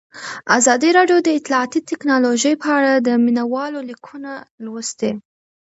ازادي راډیو د اطلاعاتی تکنالوژي په اړه د مینه والو لیکونه لوستي.